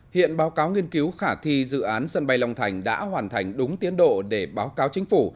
hiện báo cáo nghiên cứu khả thi dự án sân bay long thành đã hoàn thành đúng tiến độ để báo cáo chính phủ